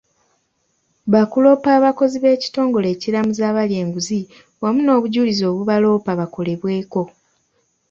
Baakuloopa abakoze b'ekitongole ekiramuzi abalya enguzi wamu n'obujulizi obubaloopa bakolebweko.